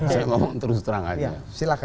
saya ngomong terus terang aja silahkan